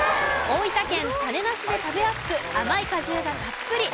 大分県種なしで食べやすく甘い果汁がたっぷり！